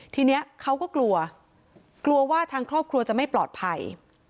ทีนี้เขาก็กลัวกลัวว่าทางครอบครัวจะไม่ปลอดภัย